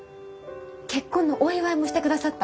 結婚のお祝いもしてくださった。